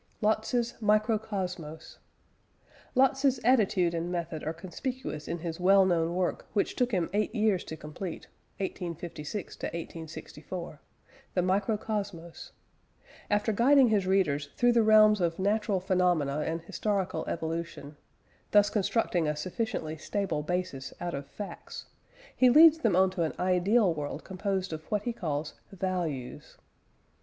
LOTZE'S "MICROCOSMOS." Lotze's attitude and method are conspicuous in his well known work, which took him eight years to complete (1856 1864) the Microcosmos. After guiding his readers "through the realms of natural phenomena and historical evolution," thus constructing a sufficiently stable basis out of facts he leads them on to an ideal world composed of what he calls "values."